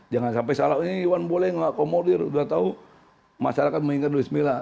jangan sampai salah ini iwan boleh mengakomodir udah tahu masyarakat menginginkan luiz mila